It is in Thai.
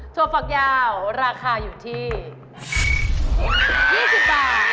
ฝักยาวราคาอยู่ที่๒๐บาท